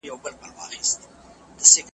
چي دوستان راسره نه وي زه په څشي به پایېږم .